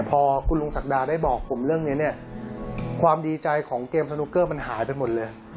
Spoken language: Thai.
พอคุณลุงศักดาได้บอกผมเรื่องนี้เนี่ยความดีใจของเกมสนุกเกอร์มันหายไปหมดเลย